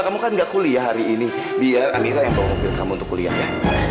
saya kuliah hari ini biar amira yang bawa mobil kamu untuk kuliah ya